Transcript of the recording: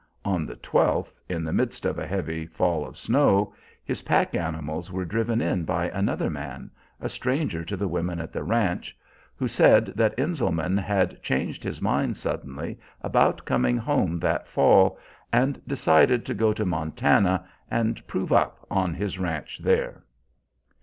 On the 12th, in the midst of a heavy fall of snow, his pack animals were driven in by another man, a stranger to the women at the ranch, who said that Enselman had changed his mind suddenly about coming home that fall, and decided to go to Montana and "prove up" on his ranch there.